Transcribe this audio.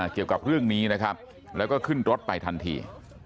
เกี่ยวกับเรื่องนี้นะครับแล้วก็ขึ้นรถไปทันที